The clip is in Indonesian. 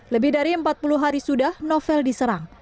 lebih dari empat puluh hari sudah novel diserang